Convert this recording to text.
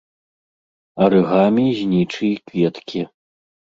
Арыгамі, знічы і кветкі.